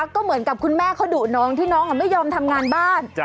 ก็เหมือนกับคุณแม่เขาดุน้องที่น้องไม่ยอมทำงานบ้าน